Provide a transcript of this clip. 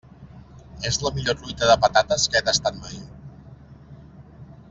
És la millor truita de patates que he tastat mai.